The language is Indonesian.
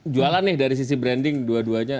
jualan nih dari sisi branding dua duanya